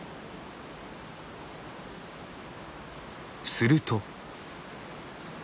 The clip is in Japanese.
すると。